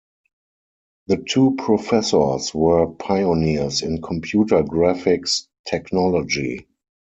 The two professors were pioneers in computer graphics technology.